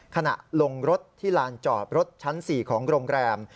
ขณะลงรถที่ลานจอบรถชั้น๔ของโรงแรม